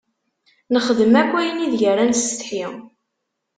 Nexdem akk ayen ideg ara nessetḥi.